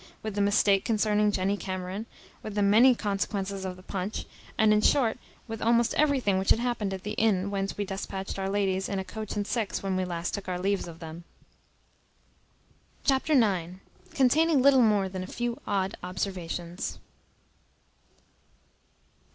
with the mistake concerning Jenny Cameron, with the many consequences of the punch, and, in short, with almost everything which had happened at the inn whence we despatched our ladies in a coach and six when we last took our leaves of them. Chapter ix. Containing little more than a few odd observations.